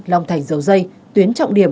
long thành dầu dây tuyến trọng điểm